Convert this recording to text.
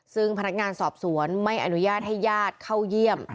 ซึ่งพนักงานสอบสวนไม่อนุญาตให้ญาติเข้าเยี่ยม